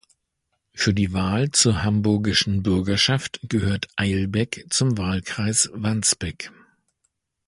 Für die Wahl zur Hamburgischen Bürgerschaft gehört Eilbek zum Wahlkreis Wandsbek.